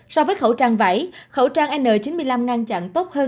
so với khẩu trang vải khẩu trang n chín mươi năm ngăn chặn tốt hơn